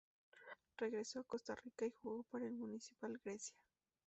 Regresó a Costa Rica y jugó para el Municipal Grecia.